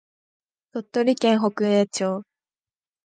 鳥取県北栄町